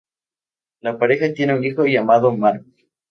La pareja tiene un hijo llamado Mark.